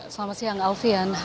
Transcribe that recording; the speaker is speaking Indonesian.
selamat siang alfian